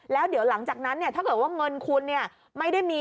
แล้วเดี๋ยวหลังจากนั้นถ้าเกิดว่าเงินคุณไม่ได้มี